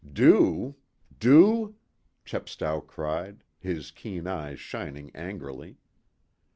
"Do? Do?" Chepstow cried, his keen eyes shining angrily.